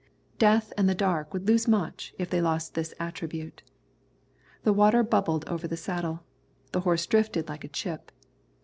Death and the dark would lose much if they lost this attribute. The water bubbled over the saddle. The horse drifted like a chip.